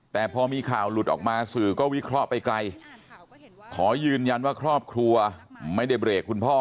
แต่พอมีข่าวหลุดออกมาสื่อก็วิเคราะห์ไปไกลขอยืนยันว่าครอบครัวไม่ได้เบรกคุณพ่อ